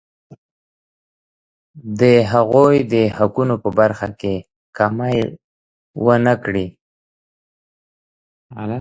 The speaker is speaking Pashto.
د هغوی د حقونو په برخه کې کمی ونه کړي.